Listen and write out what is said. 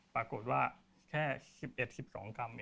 ปรากฏว่าแค่๑๑๑๒กรัม